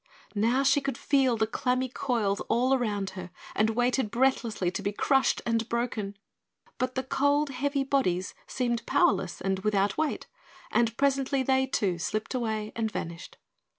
Now she could feel the clammy coils all around her and waited breathlessly to be crushed and broken. But the cold, heavy bodies seemed powerless and without weight and presently they, too, slipped away and vanished.